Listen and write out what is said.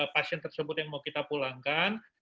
pasien tersebut yang mau kita pulangkan